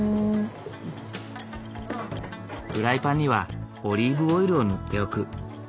フライパンにはオリーブオイルを塗っておく。